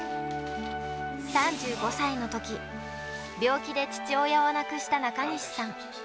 ３５歳のとき、病気で父親を亡くした中西さん。